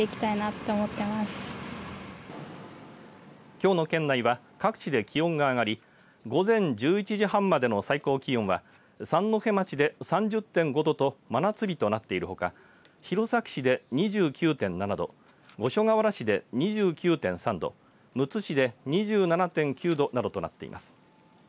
きょうの県内は各地で気温が上がり午前１１時半までの最高気温は三戸町で３０．５度と真夏日となっているほか弘前市で２９．７度五所川原市で２９．３度むつ市で２７．９度などとなっています。